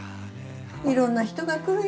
いろんな人が来るよ